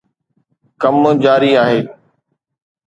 ڪم جاري آهي